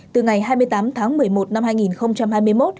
từ ngày hai mươi tám tháng một mươi một năm hai nghìn hai mươi một